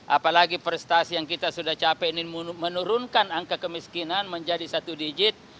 apalagi prestasi yang kita sudah capai ini menurunkan angka kemiskinan menjadi satu digit